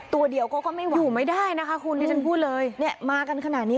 ตัวเดียวเขาก็ไม่ไหวอยู่ไม่ได้นะคะคุณที่ฉันพูดเลยเนี่ยมากันขนาดนี้